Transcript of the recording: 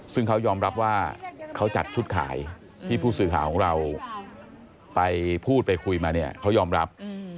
ซึ่งเขายอมรับว่าเขาจัดชุดขายที่ผู้สื่อข่าวของเราไปพูดไปคุยมาเนี่ยเขายอมรับ